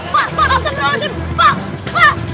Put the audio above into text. pak pak astagfirullahaladzim pak pak